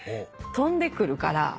飛んでくるから。